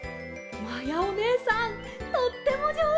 まやおねえさんとってもじょうずです！